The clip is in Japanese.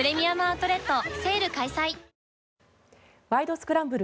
スクランブル」